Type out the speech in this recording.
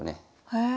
へえ。